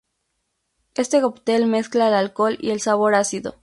Este cóctel mezcla el alcohol y el sabor ácido.